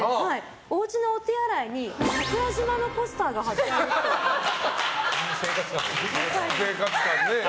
おうちのお手洗いに桜島のポスターが生活感ね。